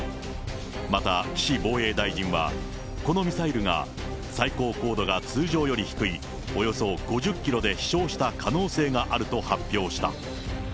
また岸防衛大臣は、このミサイルが最高高度が通常より低い、およそ５０キロで飛しょうした可能性があると発表した。